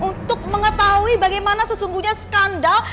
untuk mengetahui bagaimana sesungguhnya skandal